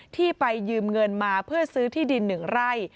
ที่ไปยืมเงินมาเพื่อซื้อที่ดิน๑ไร่